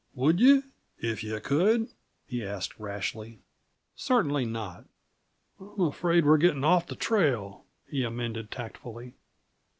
"Would you, if you could?" he asked rashly. "Certainly not!" "I'm afraid we're getting off the trail," he amended tactfully.